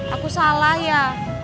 aku salah ya